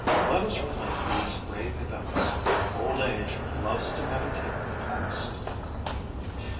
Let us relate these grave events. Old age loves to meditate the past.